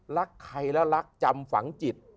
รักใครแล้วรักจำฝังจิต